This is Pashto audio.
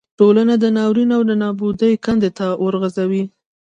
ټولنه د ناورین او نابودۍ کندې ته غورځوي.